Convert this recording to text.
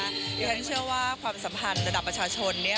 อย่างที่ฉันเชื่อว่าความสัมพันธ์ระดับประชาชนนี้